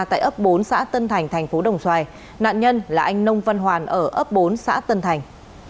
tại ấp bốn xã tân thành thành phố đồng xoài nạn nhân là anh nông văn hoàn ở ấp bốn xã tân thành